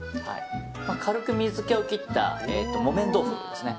軽く水気を切った木綿豆腐ですね。